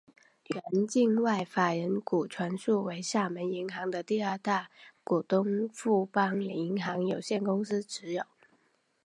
原境外法人股全数为厦门银行的第二大股东富邦银行有限公司持有。